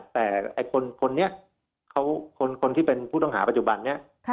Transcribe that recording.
แต่คนนี้คนที่เป็นผู้ต้องหาปัจจุบันนี้